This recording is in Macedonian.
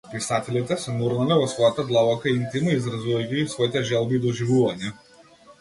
Писателите се нурнале во својата длабока интима, изразувајќи ги своите желби и доживувања.